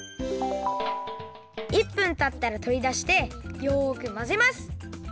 １分たったらとりだしてよくまぜます！